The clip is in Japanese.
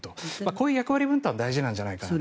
こういう役割分担が重要なんじゃないかと。